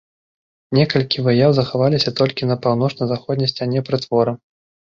Некалькі выяў захаваліся толькі на паўночна-заходняй сцяне прытвора.